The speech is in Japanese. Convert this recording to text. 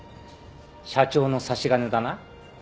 社長の差し金だな？